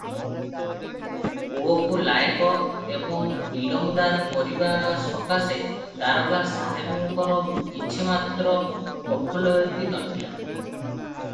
ପୁଅକୁ ଲାଏକ ଏବଂ ଇଲମଦାର କରିବା ସକାଶେ ଦାରୋଗା ସାହେବଙ୍କର କିଛିମାତ୍ର ଗଫଲୟତି ନ ଥିଲା ।